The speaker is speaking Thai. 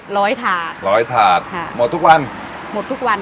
ถาดร้อยถาดค่ะหมดทุกวันหมดทุกวัน